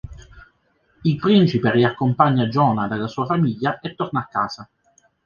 Il principe riaccompagna Jonah dalla sua famiglia e torna a casa.